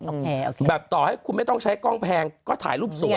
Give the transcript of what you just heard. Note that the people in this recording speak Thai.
โอเคแบบต่อให้คุณไม่ต้องใช้กล้องแพงก็ถ่ายรูปสวย